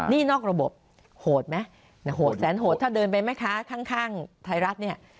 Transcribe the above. นี่นอกระบบโหดไหมโหดแสนโหดถ้าเดินไปแม่ค้าข้างไทยรัฐเนี่ย